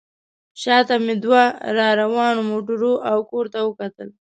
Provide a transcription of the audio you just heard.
شا ته مې دوو راروانو موټرو او کور ته وکتل.